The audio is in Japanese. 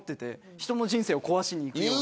人の人生を壊しにいくような。